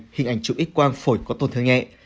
hình ảnh trụ ít quang phổi có tổn thương nhẹ